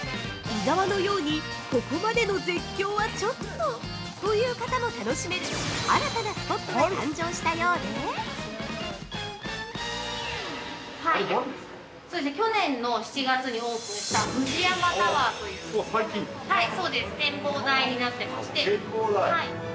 ◆伊沢のように、ここまでの絶叫はちょっとという方も楽しめる、新たなスポットが誕生したようで◆去年の７月にオープンしたＦＵＪＩＹＡＭＡタワーという展望台になってまして。